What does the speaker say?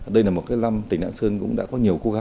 đây là một năm tỉnh nạng sơn cũng đã có nhiều khó khăn